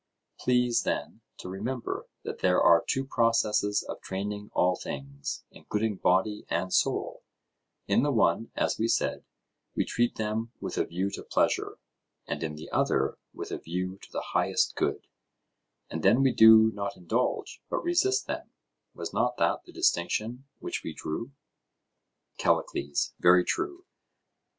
Please, then, to remember that there are two processes of training all things, including body and soul; in the one, as we said, we treat them with a view to pleasure, and in the other with a view to the highest good, and then we do not indulge but resist them: was not that the distinction which we drew? CALLICLES: Very true.